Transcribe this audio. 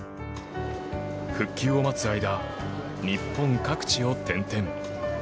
復旧を待つ間、日本各地を転々。